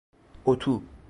اتو